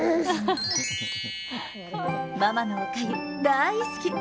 ママのおかゆ、大好き。